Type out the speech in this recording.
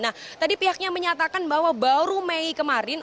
nah tadi pihaknya menyatakan bahwa baru mei kemarin